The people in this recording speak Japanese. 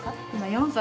４歳？